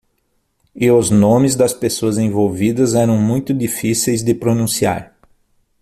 E os nomes das pessoas envolvidas eram muito difíceis de pronunciar.